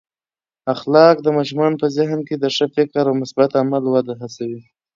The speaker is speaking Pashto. اخلاق د ماشومانو په ذهن کې د ښه فکر او مثبت عمل وده هڅوي.